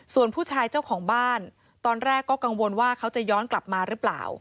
ส่วนผู้ชายเจ้าของบ้านตอนแรกก็กังวลว่าเขาจะย้อนกลับมาหรือเปล่า